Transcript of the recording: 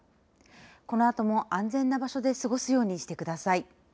このあとも安全な場所で過ごすようにしてください。